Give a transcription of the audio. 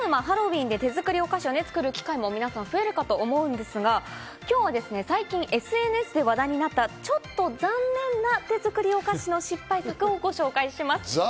もうすぐハロウィーンで手作りお菓子を作る機会も増えるかと思うんですが、今日は最近ＳＮＳで話題になった、ちょっと残念な手作りお菓子の失敗作をご紹介します。